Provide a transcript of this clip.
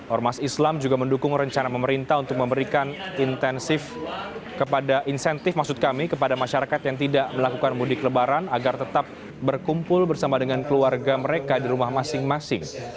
ormas islam juga mendukung rencana pemerintah untuk memberikan intensif kepada insentif maksud kami kepada masyarakat yang tidak melakukan mudik lebaran agar tetap berkumpul bersama dengan keluarga mereka di rumah masing masing